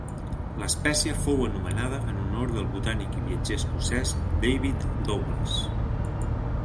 L'espècie fou anomenada en honor del botànic i viatger escocès David Douglas.